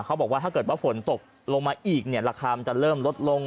เขาบอกว่าถ้าเกิดว่าฝนตกลงมาอีกเนี่ยราคามันจะเริ่มลดลง